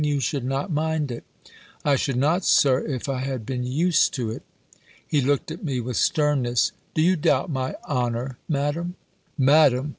You should not mind it." "I should not, Sir, if I had been used to it." He looked at me with sternness, "Do you doubt my honour, Madam?" "_Madam!